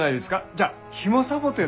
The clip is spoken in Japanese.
じゃあヒモサボテンで。